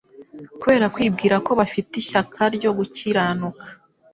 kubera kwibwira ko bafite ishyaka ryo gukiranuka,